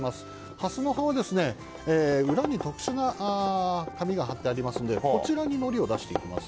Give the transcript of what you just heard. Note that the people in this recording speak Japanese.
ハスの葉は裏に特殊な紙が貼ってありますのでこちらにのりを出していきます。